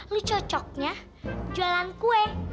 lu cocoknya jualan kue